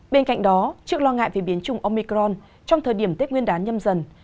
bên cạnh đó trước lo ngại về biến chủng omicron trong thời điểm tết nguyên đán nhâm dần